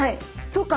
そうか。